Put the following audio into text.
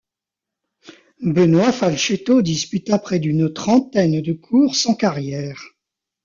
Benoît Falchetto disputa près d'une trentaine de courses en carrière.